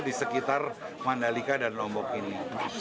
di sekitar mandalika dan lombok ini